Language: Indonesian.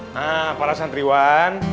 nah para santriwan